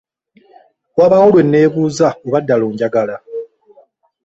Wabaawo lwe nneebuuza oba ddala onjagala!